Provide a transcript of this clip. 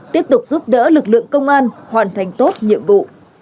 tiếp tục giúp đỡ lực lượng công an hoàn thành tốt nhiệm vụ